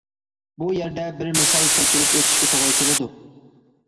بۇ يەردە بىر مىسال كەلتۈرۈپ ئۆتۈشكە توغرا كېلىدۇ.